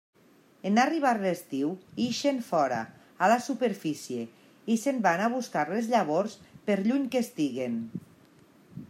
En arribar l'estiu ixen fora, a la superfície, i se'n van a buscar les llavors per lluny que estiguen.